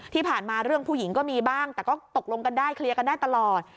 ที่ผ่านมาเรื่องผู้หญิงก็มีบ้างแต่ก็ตกลงกันได้เคลียร์กันได้ตลอด